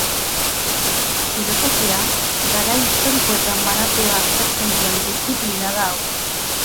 Filosofia garai historikoetan banatua aztertzen duen disziplina da hau.